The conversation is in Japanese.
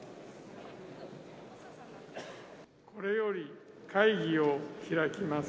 これより会議を開きます。